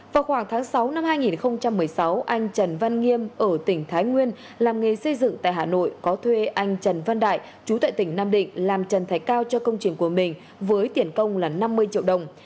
vào khoảng tháng sáu năm hai nghìn một mươi sáu anh trần văn nghiêm ở tỉnh thái nguyên làm nghề xây dựng tại hà nội có thuê anh trần văn đại chú tại tỉnh nam định làm trần thạch cao cho công trình của mình với tiền công là năm mươi triệu đồng